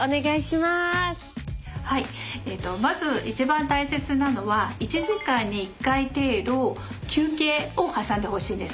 はいまず一番大切なのは１時間に１回程度休憩を挟んでほしいんですね。